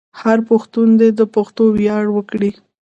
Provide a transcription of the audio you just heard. هر پښتون دې د پښتو ویاړ وکړي.